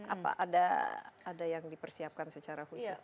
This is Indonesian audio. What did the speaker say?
apa ada yang dipersiapkan secara khusus